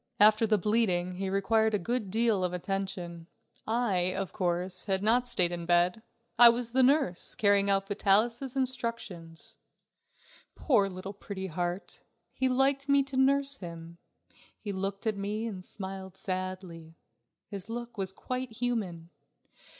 After the bleeding he required a good deal of attention. I, of course, had not stayed in bed. I was the nurse, carrying out Vitalis' instructions. Poor little Pretty Heart! he liked me to nurse him. He looked at me and smiled sadly. His look was quite human.